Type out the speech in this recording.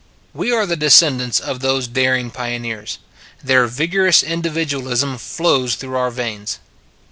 We are the descendants of those daring pioneers: their vigorous individualism flows through our veins.